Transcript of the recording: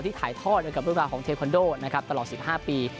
ที่ถ่ายทอดกับเรื่องราวของเทควอนโดตลอด๑๕ปี